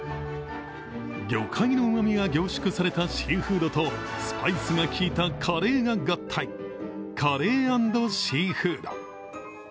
魚介の旨みが凝縮されたシーフードとスパイスが効いたカレーが合体、カレー＆シーフード。